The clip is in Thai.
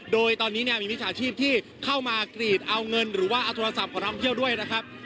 โดยตอนนี้เนี่ยมีมิจฉาชีพที่เข้ามากรีดเอาเงินหรือว่าเอาโทรศัพท์ของท่องเที่ยวด้วยนะครับ